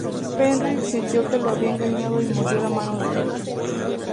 Fenrir sintió que lo habían engañado y mordió la mano del dios.